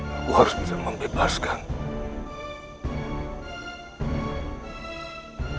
aku harus bisa membebaskanmu